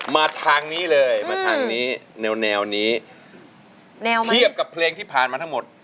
มาทางนี้เลยมาทางนี้แนวแนวนี้แนวเทียบกับเพลงที่ผ่านมาทั้งหมด